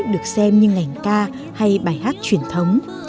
được xem như ngành ca hay bài hát truyền thống